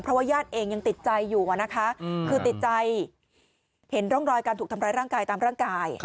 เพราะว่าญาติเองยังติดใจอยู่นะคะคือติดใจเห็นร่องรอยการถูกทำร้ายร่างกายตามร่างกาย